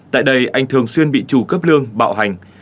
tại đây anh thường xuyên bị trù cấp lương bạo hành